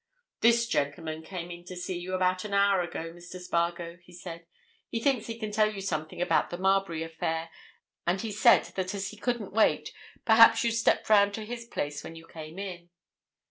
"This gentleman came in to see you about an hour ago, Mr. Spargo," he said. "He thinks he can tell you something about the Marbury affair, and he said that as he couldn't wait, perhaps you'd step round to his place when you came in."